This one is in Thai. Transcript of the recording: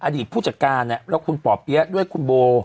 ผู้จัดการแล้วคุณป่อเปี๊ยะด้วยคุณโบ